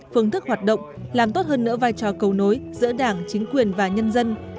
phương thức hoạt động làm tốt hơn nữa vai trò cầu nối giữa đảng chính quyền và nhân dân